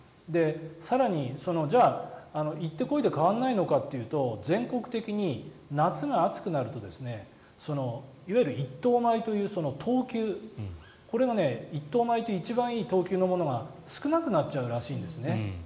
更に、行って来いで変わらないのかというと全国的に夏が暑くなるといわゆる一等米という等級、これが一等米という一番いい等級のものが少なくなるらしいんですね。